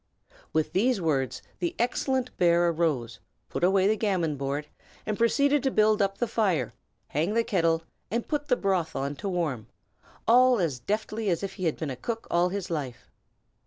With these words the excellent bear arose, put away the backgammon board, and proceeded to build up the fire, hang the kettle, and put the broth on to warm, all as deftly as if he had been a cook all his life.